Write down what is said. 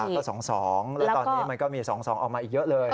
ก็๒๒แล้วตอนนี้มันก็มี๒๒ออกมาอีกเยอะเลย